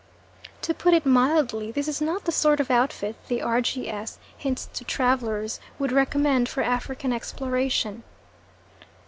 To put it mildly, this is not the sort of outfit the R.G.S. Hints to Travellers would recommend for African exploration.